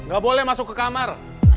gak boleh masuk ke kamar